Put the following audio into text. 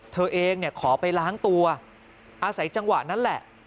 เธอเองขอไปล้างตัวอาศัยจังหวะนั้นแหละ